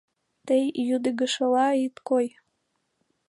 — Тый йӱдыгышыла ит кой!